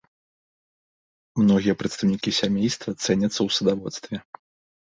Многія прадстаўнікі сямейства цэняцца ў садаводстве.